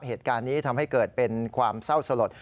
เหตุการณ์นี้ทำให้เกิดเป็นความเศร้าสลด